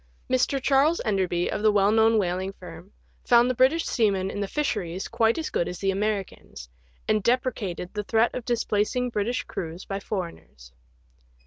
Mr. Charles Enderby, of the well known whaling firm, found the British seamen in the fisheries quite as good as the Americans, and deprecated the threat of dis placing British crews by foreigners.